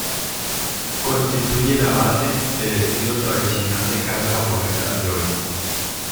Constituye la base del estilo tradicional de casa japonesa de hoy.